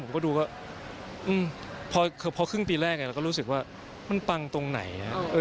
ผมก็ดูก็พอครึ่งปีแรกเราก็รู้สึกว่ามันปังตรงไหน